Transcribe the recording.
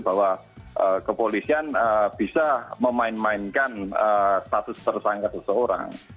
bahwa kepolisian bisa memainkan status tersangkat seseorang